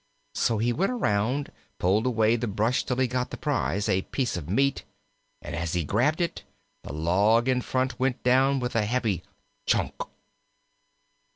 So he went around, pulled away the brush till he got the prize, a piece of meat, and as he grabbed it, the log in front went down with a heavy chock.